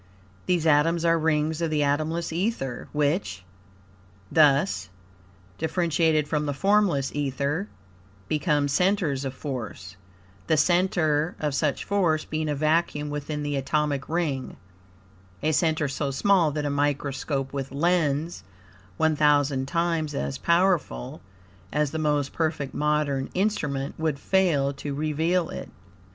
These atoms are rings of the atomless ether, which, thus differentiated from the formless ether, become centers of force, the center of such force being a vacuum within the atomic ring a center so small that a microscope with lens one thousand times as powerful as the most perfect modern instrument would fail to reveal it.